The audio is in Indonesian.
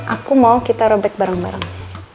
aku mau kita robek barang barang